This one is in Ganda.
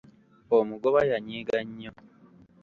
Omugoba yanyiiga nnyo.